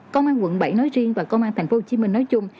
công an quận bảy nói riêng và công an tp hcm nói chung